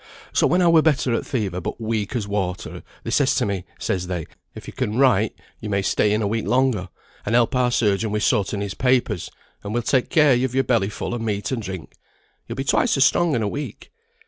So when I were better o' th' fever, but weak as water, they says to me, says they, 'If yo can write, yo may stay in a week longer, and help our surgeon wi' sorting his papers; and we'll take care yo've your belly full o' meat and drink. Yo'll be twice as strong in a week.'